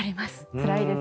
つらいです。